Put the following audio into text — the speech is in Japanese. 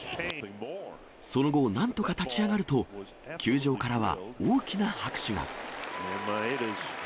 その後、なんとか立ち上がると、球場からは大きな拍手が。